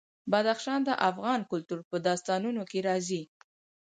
بدخشان د افغان کلتور په داستانونو کې راځي.